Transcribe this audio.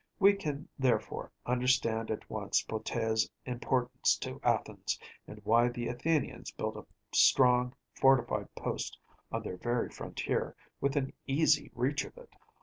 We can, therefore, understand at once Platæa’s importance to Athens, and why the Athenians built a strong fortified post on their very frontier, within easy reach of it.